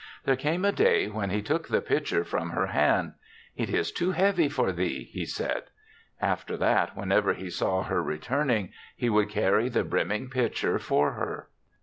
There came a day when he took the pitcher from her hand. ' It is too heavy for thee,' he said. After that, whenever he saw her returning, he would carry the brimming pitcher for her.